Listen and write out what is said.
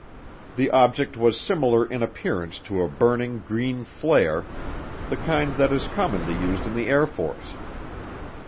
The object was similar in appearance to a burning green flare, the kind that is commonly used in the Air Force.